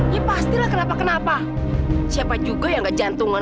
ya pastilah kenapa kenapa siapa juga yang nggak jantungan